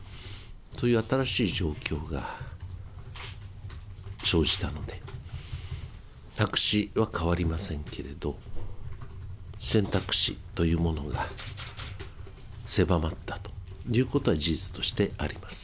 そういう新しい状況が生じたので、白紙は変わりませんけれど、選択肢というものが狭まったということは事実としてあります。